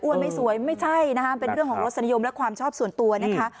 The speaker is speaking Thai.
ไม่สวยไม่ใช่นะคะเป็นเรื่องของรสนิยมและความชอบส่วนตัวนะคะ